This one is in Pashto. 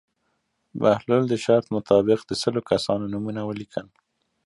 بهلول د شرط مطابق د سلو کسانو نومونه ولیکل.